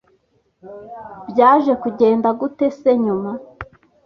Byaje kugenda gute se nyuma